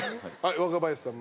若林さん